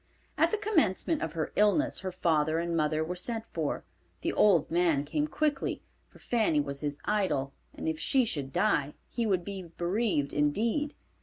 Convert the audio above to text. At the commencement of her illness her father and mother were sent for. The old man came quickly, for Fanny was his idol, and if she should die, he would be bereaved indeed.